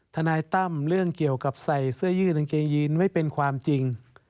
ทนายตั้มเรื่องเกี่ยวกับใส่เสื้อยืดกางเกงยีนไม่เป็นความจริง